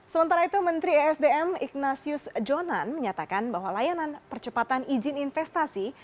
sementara itu menteri esdm ignatius jonan menyatakan bahwa layanan percepatan izin investasi